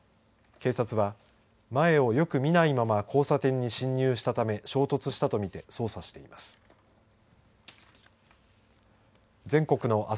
警察は前をよく見ないまま交差点に進入したため衝突したとみて捜査しています。